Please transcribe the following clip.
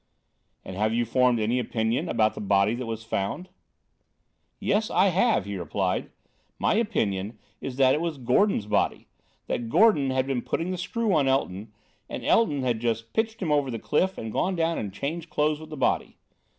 "And have you formed any opinion about the body that was found?" "Yes, I have," he replied. "My opinion is that it was Gordon's body: that Gordon had been putting the screw on Elton, and Elton had just pitched him over the cliff and gone down and changed clothes with the body.